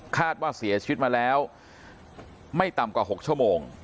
คาดว่าเสียชีวิตมาแล้วไม่ต่ำกว่า๖ชั่วโมง